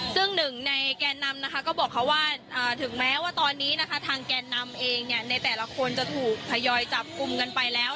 ซึ่งหนึ่งในแกนนำนะคะก็บอกเขาว่าถึงแม้ว่าตอนนี้นะคะทางแกนนำเองในแต่ละคนจะถูกทยอยจับกลุ่มกันไปแล้ว